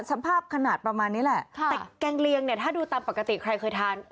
สภาพขนาดประมาณนี้แหละค่ะแต่แกงเลียงเนี่ยถ้าดูตามปกติใครเคยทาน